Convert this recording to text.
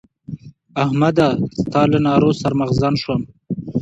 احمده! ستا له نارو سر مغزن شوم.